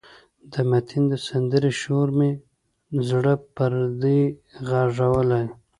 د متین د سندرې شور مې د زړه پردې غږولې.